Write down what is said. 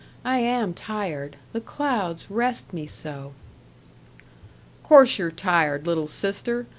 I am tired. The clouds rest me so." "Course you're tired, little sister.